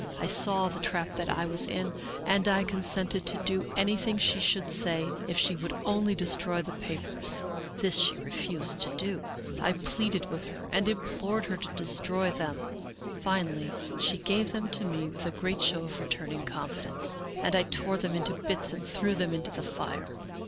I saw the trap that I was in and I consented to do anything she should say if she would only destroy the papers. This she refused to do. 77 American Mystery Stories I pleaded with her and implored her to destroy them. Finally she gave them to me with a great show of returning confidence, and I tore them into bits and threw them into the fire.